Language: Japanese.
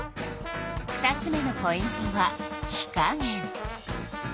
２つ目のポイントは火加減。